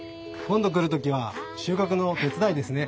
今度来る時は収穫の手伝いですね？